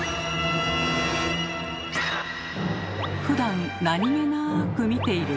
ふだん何気なく見ている山。